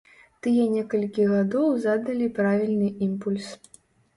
Тыя некалькі гадоў задалі правільны імпульс.